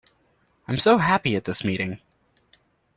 I'm so happy at this meeting!